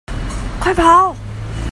快跑！